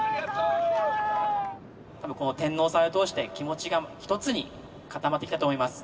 「天王祭を通して気持ちが一つに固まってきたと思います。